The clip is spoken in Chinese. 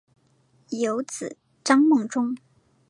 有子张孟中。